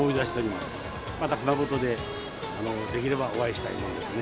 また熊本でできればお会いしたいもんですね。